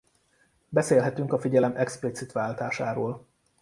Beszélhetünk a figyelem explicit váltásáról.